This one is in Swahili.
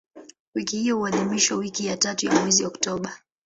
Wiki hiyo huadhimishwa wiki ya tatu ya mwezi Oktoba.